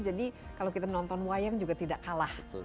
jadi kalau kita nonton wayang juga tidak kalah